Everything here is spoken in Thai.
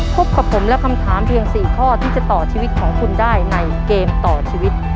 พบกับผมและคำถามเพียง๔ข้อที่จะต่อชีวิตของคุณได้ในเกมต่อชีวิต